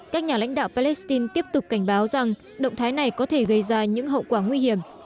các nhà lãnh đạo palestine tiếp tục cảnh báo rằng động thái này có thể gây ra những hậu quả nguy hiểm